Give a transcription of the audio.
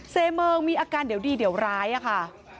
เซเมิงมีอาการเดี๋ยวดีเดี๋ยวร้ายอะค่ะ